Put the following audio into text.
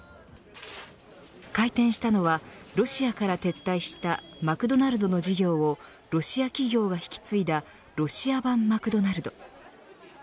開店したのはロシアから撤退したマクドナルドの事業をロシア企業が引き継いだロシア版マクドナルド。